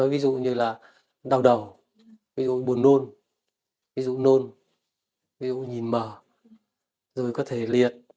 ví dụ như là đau đầu buồn nôn nhìn mở có thể liệt